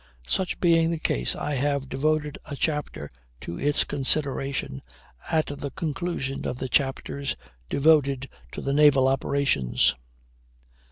Such being the case, I have devoted a chapter to its consideration at the conclusion of the chapters devoted to the naval operations.